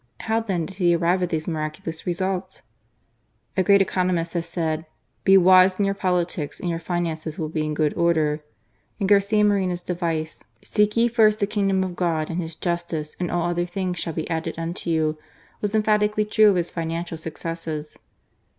How then did he arrive at these miraculous results ? A great economist has said :*' Be wise in your politics, and your finances will be in good order;" and Garcia Moreno's devise: " Seek ye first the Kingdom of God and His justice, and all other things shall be added unto you," was emphatically true of his financial successes.